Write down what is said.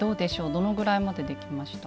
どのぐらいまでできました？